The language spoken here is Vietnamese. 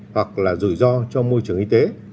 hoặc là rủi ro cho môi trường y tế